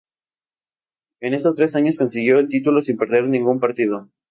En esos tres años consiguió el título sin perder ningún partido.